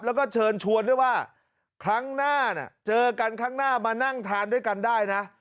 แล้วก็เชิญชวนด้วยว่าครั้งหน้าเจอกันครั้งหน้ามานั่งทานด้วยกันได้นะ